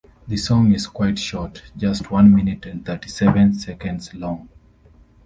The song is quite short: just one minute and thirty-seven seconds long.